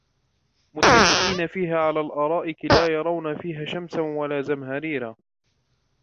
متكئين فيها على الأرائك لا يرون فيها شمسا ولا زمهريرا